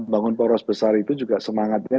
bangun poros besar itu juga semangatnya